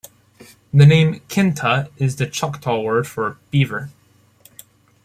The name "Kinta" is the Choctaw word for "beaver.